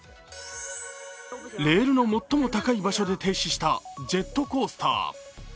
レールの最も高い場所で停止したジェットコースター。